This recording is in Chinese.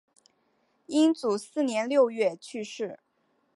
英祖四年六月去世。